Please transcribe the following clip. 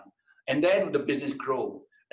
dan kemudian bisnis tumbuh